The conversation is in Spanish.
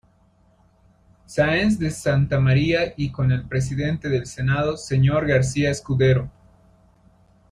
Sáenz de Santamaría y con el Presidente del Senado, Sr. García Escudero.